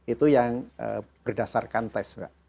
itu yang berdasarkan tes